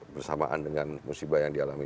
bersamaan dengan musibah yang dialami